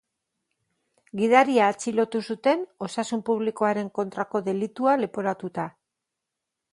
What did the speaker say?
Gidaria atxilotu zuten, osasun publikoaren kontrako delitua leporatuta.